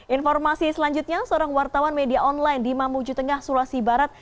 informasi selanjutnya seorang wartawan media online di mamuju tengah sulawesi barat